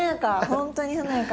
本当に華やか。